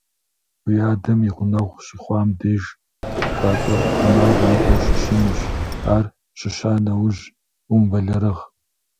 Уи адэм и гъунэгъу щыхъуам деж, хакӀуэр Ӏэмал имыӀэу щыщынущ, ар щыща нэужь, умыбэлэрыгъ.